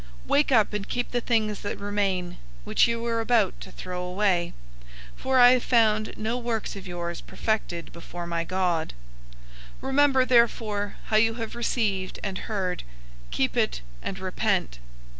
003:002 Wake up, and keep the things that remain, which you were about to throw away, for I have found no works of yours perfected before my God. 003:003 Remember therefore how you have received and heard. Keep it, and repent.